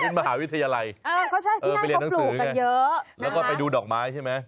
เป็นมหาวิทยาลัยไปเรียนหนังสือกันเยอะแล้วก็ไปดูดอกไม้ใช่ไหม